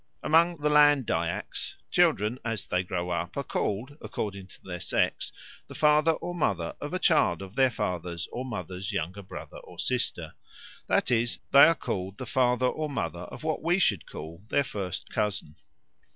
Among the Land Dyaks children as they grow up are called, according to their sex, the father or mother of a child of their father's or mother's younger brother or sister, that is, they are called the father or mother of what we should call their first cousin.